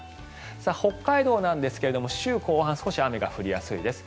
北海道なんですが、週後半少し雨が降りやすいです。